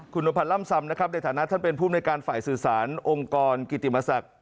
คุณนพันธ์ล่ำซำนะครับในฐานะท่านเป็นภูมิในการฝ่ายสื่อสารองค์กรกิติมศักดิ์